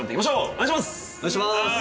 お願いします！